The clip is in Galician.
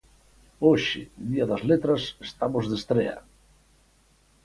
Hoxe, Día das Letras, estamos de estrea.